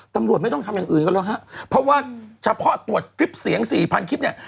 ตำรวจไม่ต้องทำอย่างอื่นก็แล้วฮะเพราะว่าเฉพาะตรวจคลิปเสียงสี่พันคลิปเนี่ย